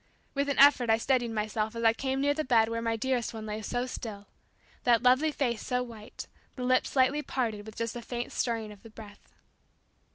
With an effort I steadied myself as I came near the bed where my dearest one lay so still that lovely face so white, the lips slightly parted with just a faint stirring of the breath.